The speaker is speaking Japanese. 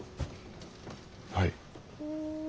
はい。